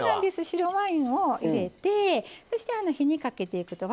白ワインを入れてそして火にかけていくと。